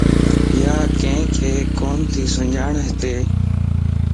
ياڪينک ڪوتي سڃاڻ ھتي